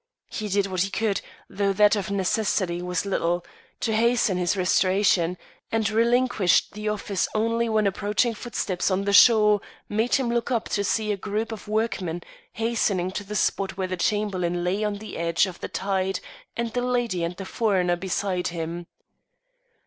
He did what he could, though that of necessity was little, to hasten his restoration, and relinquished the office only when approaching footsteps on the shore made him look up to see a group of workmen hastening to the spot where the Chamberlain lay on the edge of the tide and the lady and the foreigner beside him.